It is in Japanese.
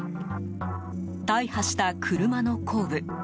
大破した車の後部。